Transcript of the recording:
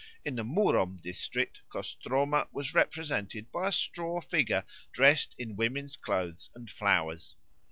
In the Murom district Kostroma was represented by a straw figure dressed in woman's clothes and flowers.